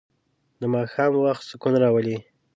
د ماښام وخت سکون راولي.